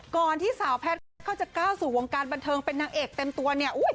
ที่สาวแพทย์เขาจะก้าวสู่วงการบันเทิงเป็นนางเอกเต็มตัวเนี่ย